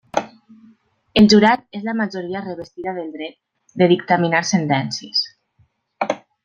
El jurat és la majoria revestida del dret de dictaminar sentències.